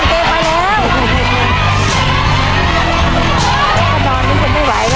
ครอบครัวของแม่ปุ้ยจังหวัดสะแก้วนะครับ